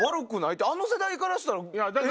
あの世代からしたらええんや。